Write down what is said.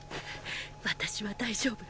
私は大丈夫。